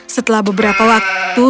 setelah beberapa waktu